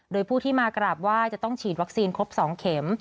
โดยผู้ที่มากราบไหว้จะต้องฉีดวัคซีนครบ๒เข็ม